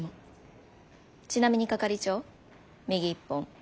ちなみに係長右１本左２本。え？